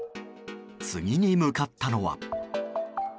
次に向かったのは。